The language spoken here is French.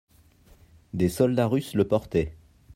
Des soldats russes le portaient.